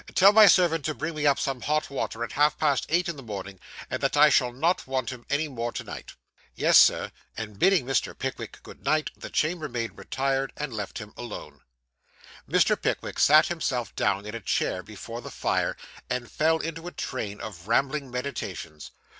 Tell my servant to bring me up some hot water at half past eight in the morning, and that I shall not want him any more to night.' 'Yes, Sir,' and bidding Mr. Pickwick good night, the chambermaid retired, and left him alone. Mr. Pickwick sat himself down in a chair before the fire, and fell into a train of rambling meditations.